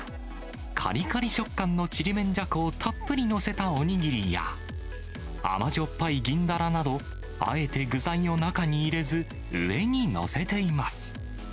かりかり食感のちりめんじゃこを、たっぷり載せたお握りや、甘じょっぱいギンダラなど、あえて具材を中に入れず、上に載せています。